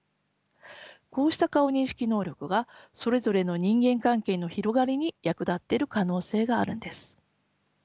こうした顔認識能力がそれぞれの人間関係の広がりに役立っている可能性があるんです。